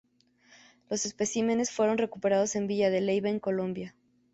Los especímenes fueron recuperados en Villa de Leyva en Colombia.